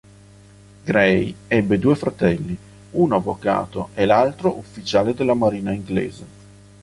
Gray ebbe due fratelli, uno avvocato e l'altro ufficiale della marina inglese.